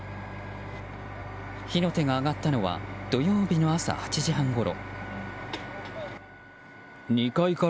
火の手が上がったのは土曜日の朝８時半ごろ。